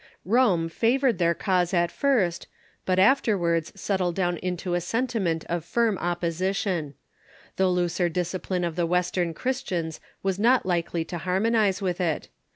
Rome favored their cause at first, but afterwards settled down into a sentiment of firm opposition. The looser dis cipline of the Western Christians was not likely of Montanism^ ^^ harmonize with it.